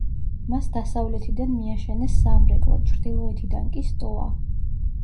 მას დასავლეთიდან მიაშენეს სამრეკლო, ჩრდილოეთიდან კი სტოა.